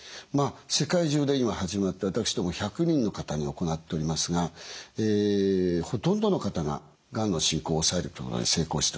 世界中で今始まって私ども１００人の方に行っておりますがほとんどの方ががんの進行を抑えることに成功しております。